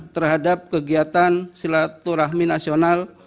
terhadap kegiatan silaturahmi nasional